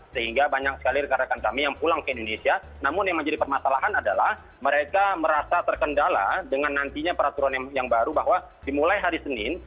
sehingga banyak sekali rekan rekan kami yang pulang ke indonesia namun yang menjadi permasalahan adalah mereka merasa terkendala dengan nantinya peraturan yang baru bahwa dimulai hari senin